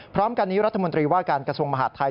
พร้อมกันนี้รัฐมนตรีว่าการกระทรวงมหาดไทย